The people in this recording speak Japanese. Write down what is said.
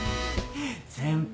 先輩